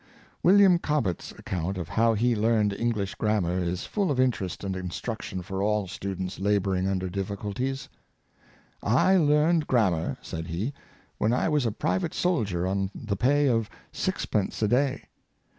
William Cobbett's account of how he learned Eng lish grammar is full of interest and instruction for all students laboring under difficulties. " I learned gram mar," said he, " when I was a private soldier on the pay of sixpence a day.